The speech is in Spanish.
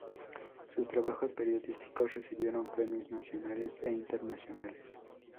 Sus trabajos periodísticos recibieron premios nacionales e internacionales.